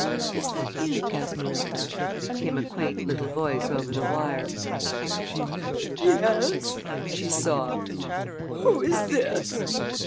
"Is that you, Gasmerilda?" came a quaint little voice over the wire. "Yes," she sobbed. "Who is this?"